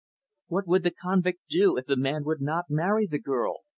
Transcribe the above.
"What would the convict do if the man would not marry the girl?"